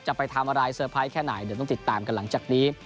จะไปทำอะไรเซอร์ไพรส์แค่ไหนเดี๋ยวต้องติดตามกันหลังจากนี้